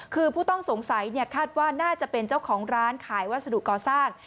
คือผู้ต้องสงสัยคาดว่าน่าจะเป็นเจ้าของร้านขายวัสดุก่อสร้าง